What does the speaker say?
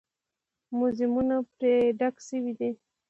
موزیمونه پرې ډک شوي دي.